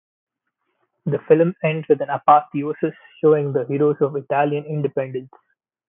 The film ends with an apotheosis showing the heroes of Italian independence.